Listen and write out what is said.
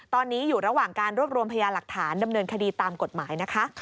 ตอนนี้อยู่ระหว่างการรวบรวมพยาหลักฐานดำเนินคดีตามกฎหมายนะคะ